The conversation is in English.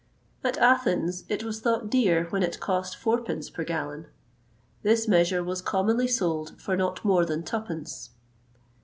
[XXVIII 134] At Athens it was thought dear when it cost fourpence per gallon. This measure was commonly sold for not more than twopence.